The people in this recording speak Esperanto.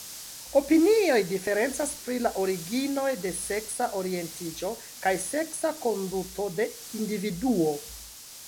Opinioj diferencas pri la originoj de seksa orientiĝo kaj seksa konduto de individuo.